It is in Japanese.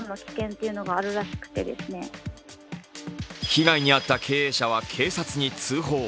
被害に遭った経営者は警察に通報。